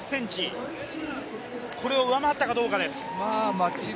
これを上回ったかどうかです。